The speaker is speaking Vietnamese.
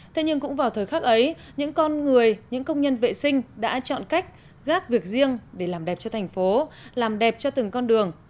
thế nhưng cũng vào thời khắc ấy những con người những công nhân vệ sinh đã chọn cách gác việc riêng để làm đẹp cho thành phố làm đẹp cho từng con đường